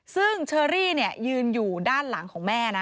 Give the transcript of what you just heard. ซึ่งเชอรี่ยืนอยู่ด้านหลังของแม่นะ